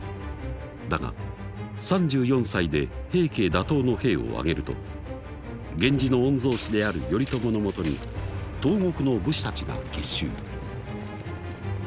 だが３４歳で平家打倒の兵を挙げると源氏の御曹司である頼朝のもとに東国の武士たちが結集。